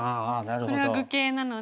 これは愚形なので。